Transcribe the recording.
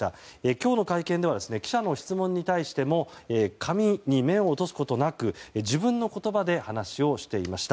今日の会見では記者の質問に対しても紙に目を落とすことなく自分の言葉で話をしていました。